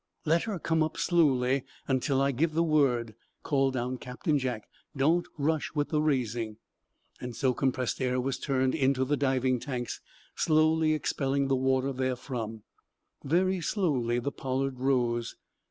"Let her come up slowly, until I give the word," called down Captain Jack. "Don't rush with the raising." So compressed air was turned into the diving tanks, slowly expelling the water therefrom. Very slowly the "Pollard" rose.